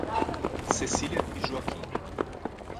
Cecília e Joaquim